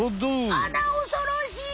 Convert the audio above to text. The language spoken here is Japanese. あらおそろしい！